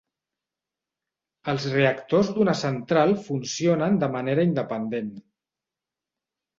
Els reactors d'una central funcionen de manera independent.